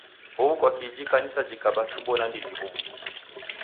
Huw'u kwaki iji ikanisa jikaba chumbo nandighi huw'u?